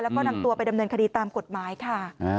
แล้วก็นำตัวไปดำเนินคดีตามกฎหมายค่ะ